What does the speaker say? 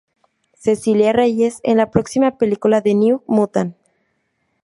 Cecilia Reyes en la próxima película "The New Mutants".